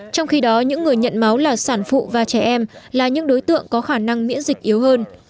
trong khi đó những người nhận máu là sản phụ và trẻ em là những đối tượng có khả năng miễn dịch yếu hơn